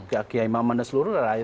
ki akyai mamanda seluruh rakyat